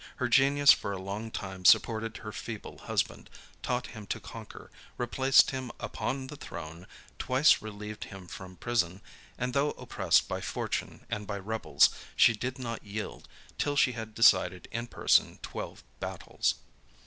Her genius for a long time supported her feeble husband, taught him to conquer, replaced him upon the throne, twice relieved him from prison, and though oppressed by fortune and by rebels, she did not yield, till she had decided in person twelve battles.